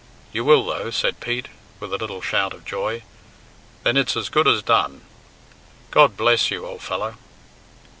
"You will, though," said Pete, with a little shout of joy; "then it's as good as done; God bless you, old fellow."